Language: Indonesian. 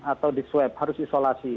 atau di swab harus isolasi